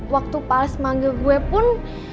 waktu pak alex mangga gue pun